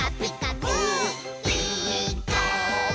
「ピーカーブ！」